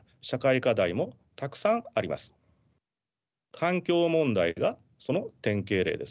環境問題がその典型例です。